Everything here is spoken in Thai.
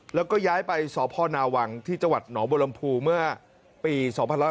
แล้วก็ย้ายไปสพนาวังที่จหนอบลมภูมิเมื่อปี๒๑๖๒